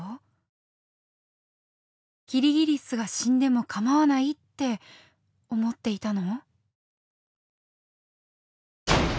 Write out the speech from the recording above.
「キリギリスが死んでも構わない」って思っていたの？